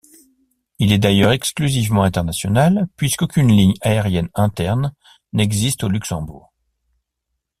Il est d'ailleurs exclusivement international, puisqu'aucune ligne aérienne interne n'existe au Luxembourg.